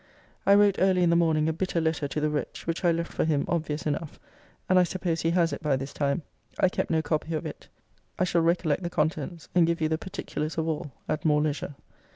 I wrote early in the morning a bitter letter to the wretch, which I left for him obvious enough; and I suppose he has it by this time. I kept no copy of it. I shall recollect the contents, and give you the particulars of all, at more leisure.